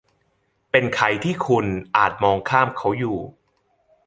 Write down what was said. เป็นใครที่คุณอาจมองข้ามเขาอยู่